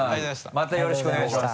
またよろしくお願いします。